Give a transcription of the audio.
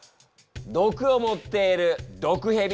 毒を持っている毒ヘビ。